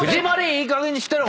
いいかげんにしろ！